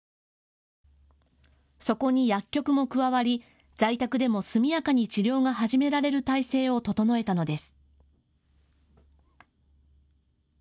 そこに薬局も加わり在宅でも速やかに治療が始められる体制を整えたのです。